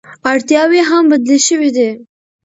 اړتیاوې هم بدلې شوې دي.